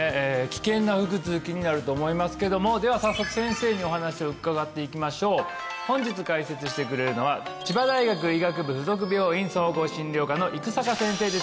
危険な腹痛気になると思いますけどもでは早速先生にお話を伺っていきましょう本日解説してくれるのは千葉大学医学部附属病院総合診療科の生坂先生です